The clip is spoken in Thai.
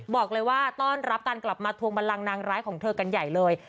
บอกเลยว่าต้อนรับการกลับมาทวงบันลังนางร้ายของเธอกันใหญ่เลย